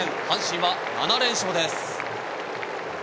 阪神は７連勝です。